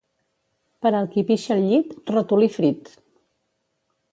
Per al qui pixa al llit, ratolí frit.